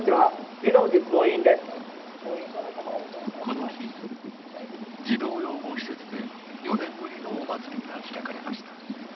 この日児童養護施設で４年ぶりのお祭りが開かれました。